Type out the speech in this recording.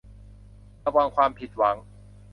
ระวังความผิดหวัง